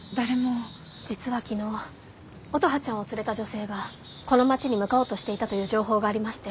実は昨日乙葉ちゃんを連れた女性がこの街に向かおうとしていたという情報がありまして。